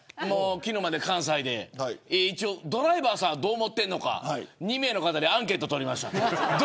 昨日まで関西でドライバーさんはどう思っているのか２名の方にアンケートを取りました。